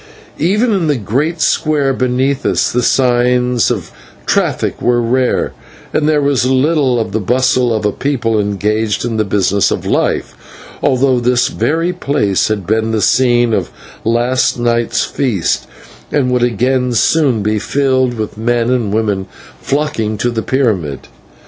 Even in the great square beneath us the signs of traffic were rare, and there was little of the bustle of a people engaged in the business of life, although this very place had been the scene of last night's feast, and would again soon be filled with men and women flocking to the pyramid.